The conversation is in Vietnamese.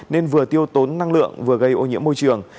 nên vừa tiêu tốn năng lượng vừa gây ô nhiễm môi trường